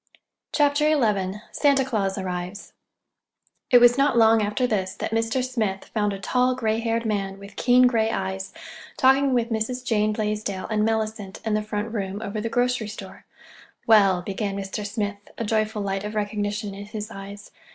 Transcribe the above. CHAPTER XI SANTA CLAUS ARRIVES It was not long after this that Mr. Smith found a tall, gray haired man, with keen gray eyes, talking with Mrs. Jane Blaisdell and Mellicent in the front room over the grocery store. "Well—" began Mr. Smith, a joyful light of recognition in his eyes.